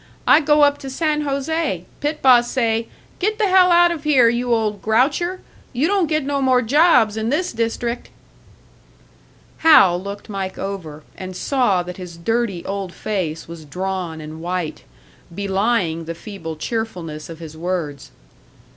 I go up to San José. Pit boss say, 'Get the hell out of here, you old groucher! You don't get no more jobs in this district!'" Hal looked Mike over, and saw that his dirty old face was drawn and white, belying the feeble cheerfulness of his words.